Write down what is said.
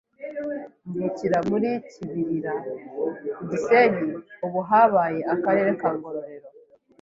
mvukira muri KIBIRIRA ku Gisenyi ubu habaye akarere ka NGORORERO.